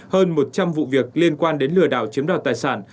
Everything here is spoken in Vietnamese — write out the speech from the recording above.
hơn một trăm linh vụ việc liên quan đến lừa đảo chiếm đoạt tài sản